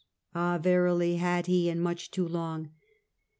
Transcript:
" Ah! verily had he, and much too long.